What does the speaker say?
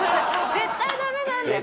絶対ダメなんです。